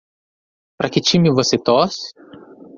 Para que time você torce?